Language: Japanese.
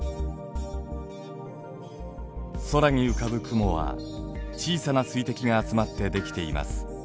空に浮かぶ雲は小さな水滴が集まって出来ています。